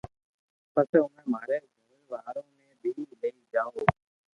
پسي اووي ماري گھر وارو ني بي لئي جاو